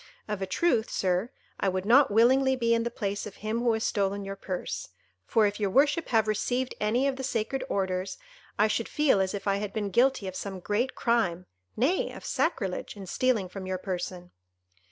Of a truth, Sir, I would not willingly be in the place of him who has stolen your purse; for if your worship have received any of the sacred orders, I should feel as if I had been guilty of some great crime—nay of sacrilege—in stealing from your person."